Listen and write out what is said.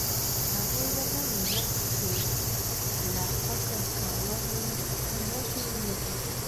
هغه ونه ويل چې له فکر کولو څه نه جوړېږي.